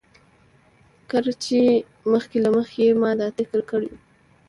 ګر چې مخکې له مخکې يې ما دا اتکل کړى وو.